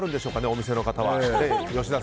お店の方は。